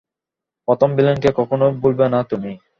প্রথম ভিলেনকে কখনোই ভুলবে না তুমি।